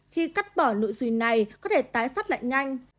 khi cắt bỏ nụ xùi này có thể tái phát lại nhanh